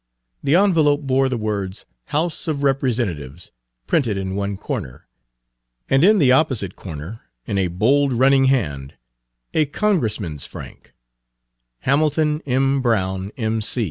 The envelope bore the words "House of Representatives" printed in one corner, and in the opposite corner, in a bold running hand, a Congressman's frank, "Hamilton M. Brown, M.